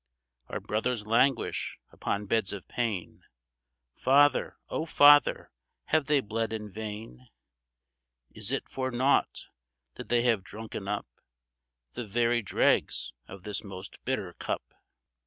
Our brothers languish upon beds of pain, — Father, O Father, have they bled in vain ? Is it for naught that they have drunken up The very dregs of this most bitter cup